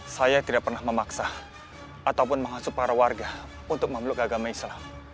saya tidak pernah memaksa ataupun menghasut para warga untuk memeluk agama islam